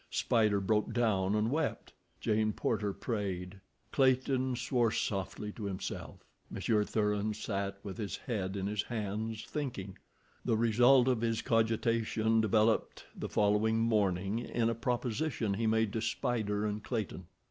Spider broke down and wept; Jane Porter prayed; Clayton swore softly to himself; Monsieur Thuran sat with his head in his hands, thinking. The result of his cogitation developed the following morning in a proposition he made to Spider and Clayton.